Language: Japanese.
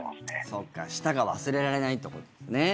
そっか、舌が忘れられないってことですね。